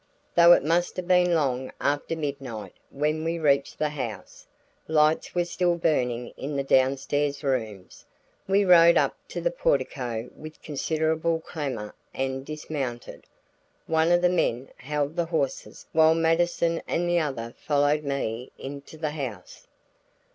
Though it must have been long after midnight when we reached the house, lights were still burning in the downstairs rooms. We rode up to the portico with considerable clamor and dismounted. One of the men held the horses while Mattison and the other followed me into the house.